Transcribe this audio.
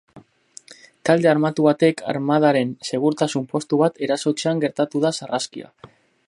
Talde armatu batek armadaren segurtasun postu bat erasotzean gertatu da sarraskia.